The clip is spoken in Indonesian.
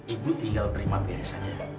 ibu tinggal terima beresannya